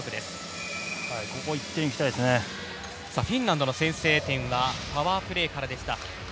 フィンランドの先制点はパワープレーからでした。